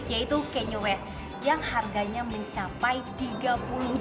yaitu kanye west yang harganya mencapai rp tiga puluh